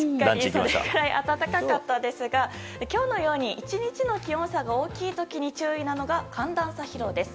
それくらい暖かったですが今日のように、１日の寒暖差が大きい時に注意なのが寒暖差疲労です。